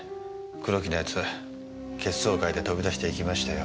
黒木の奴血相を変えて飛び出して行きましたよ。